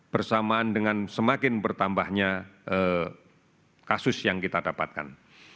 bersamaan dengan semakin bertambahnya kasus yang kita dapatkan